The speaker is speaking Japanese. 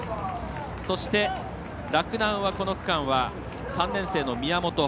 そして、洛南は、この区間は３年生の宮本。